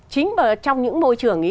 chính trong những môi trường ấy